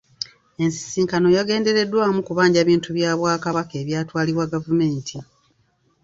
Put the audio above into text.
Ensisinkano yagendereddwamu kubanja bintu bya Bwakabaka ebyatwalibwa gavumenti.